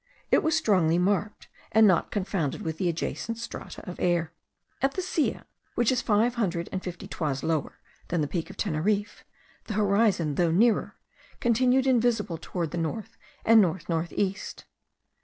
It was strongly marked, and not confounded with the adjacent strata of air. At the Silla, which is five hundred and fifty toises lower than the peak of Teneriffe, the horizon, though nearer, continued invisible towards the north and north north east.